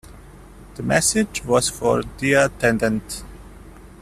The message was for the attendant.